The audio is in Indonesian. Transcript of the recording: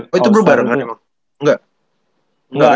oh itu berbarengan emang engga